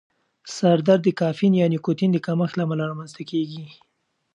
سر درد د کافین یا نیکوتین د کمښت له امله رامنځته کېږي.